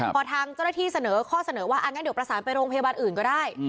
พอทางเจ้าหน้าที่เสนอข้อเสนอว่างั้นเดี๋ยวประสานไปโรงพยาบาลอื่นก็ได้